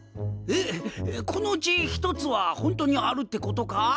えっこのうち１つはホントにあるってことか？